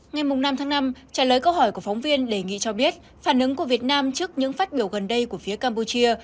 ngày năm tháng năm trả lời câu hỏi của phóng viên đề nghị cho biết phản ứng của việt nam trước những phát biểu gần đây của phía campuchia